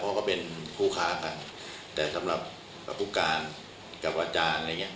เพราะก็เป็นผู้ค้ากันแต่สำหรับประปุการกับอาจารย์อะไรเงี้ย